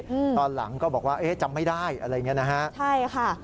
อืมตอนหลังก็บอกว่าเอ๊ะจำไม่ได้อะไรอย่างเงี้นะฮะใช่ค่ะ